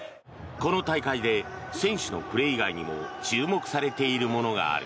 この大会で選手のプレー以外にも注目されているものがある。